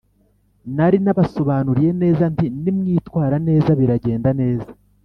nari nabasobanuriye neza nti nimwitwara neza biragenda neza ,